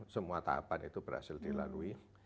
semua tahapan itu berhasil dilalui